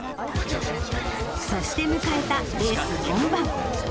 そして迎えたレース本番。